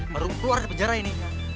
perlu keluar dari penjara ini